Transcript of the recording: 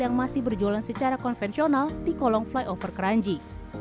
yang masih berjualan secara konvensional di kolong flyover keranji